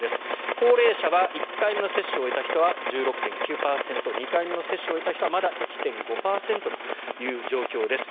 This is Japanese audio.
高齢者は１回目の接種を終えた人は１６．９％２回目の接種を終えた人はまだ１．５％という状況です。